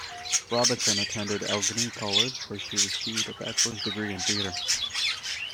Robinson attended Allegheny College, where she received a bachelor's degree in theatre.